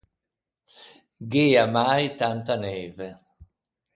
Gh’ea mai tanta neive.